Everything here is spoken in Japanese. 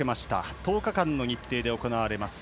１０日間の日程で行われます。